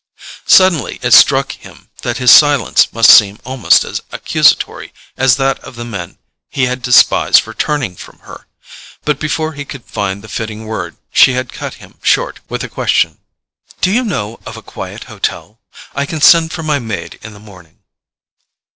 Suddenly it struck him that his silence must seem almost as accusatory as that of the men he had despised for turning from her; but before he could find the fitting word she had cut him short with a question. "Do you know of a quiet hotel? I can send for my maid in the morning."